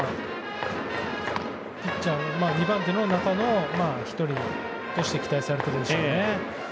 ２番手の中の１人として期待されているんでしょうね。